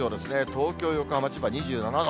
東京、横浜、千葉、２７度。